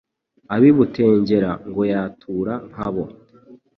Ab’i Butengera ngo yatura nka bo